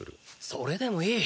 それでもいい。